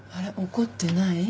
怒ってない？